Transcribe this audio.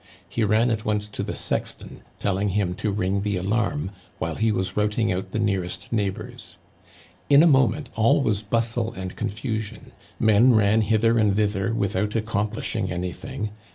He ran at once to the sexton, telling him to ring the alarm while he was routing out the nearest neighbors. In a moment, all was bustle and confusion. Men ran hither and thither without accomplishing anything.